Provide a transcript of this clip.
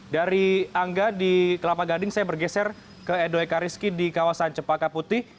dari angga di kelapa gading saya bergeser ke edo ekariski di kawasan cepaka putih